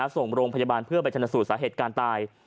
ส่งโรงพยาบาลเพื่อไปชนสูตรสาเหตุการณ์ตาย